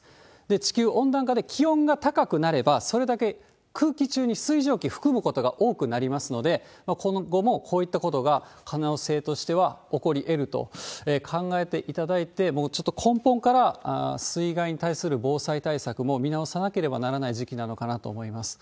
地球温暖化で気温が高くなれば、それだけ空気中に水蒸気含むことが多くなりますので、今後もこういったことが、可能性としては起こりえると考えていただいて、もうちょっと根本から水害に対する防災対策も見直さなければならない時期なのかなと思います。